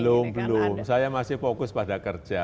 belum belum saya masih fokus pada kerja